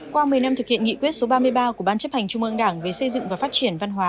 qua một mươi năm thực hiện nghị quyết số ba mươi ba của ban chấp hành trung ương đảng về xây dựng và phát triển văn hóa